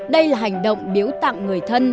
đây là hành động biếu tặng người thân